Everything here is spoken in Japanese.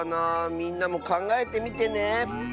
みんなもかんがえてみてね。